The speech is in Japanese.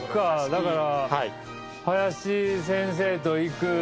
だから。